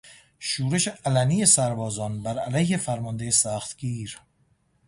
شورش علنی سربازان بر علیه فرمانده سختگیر